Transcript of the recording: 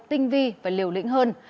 tinh vi và liều lĩnh hơn